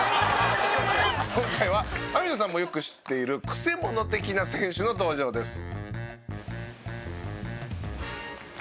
今回は網野さんもよく知っている曲者的な選手の登場です。